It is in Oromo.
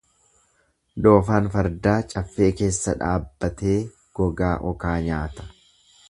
Doofaan fardaa caffee keessa dhaabbatee gogaa okaa nyaata.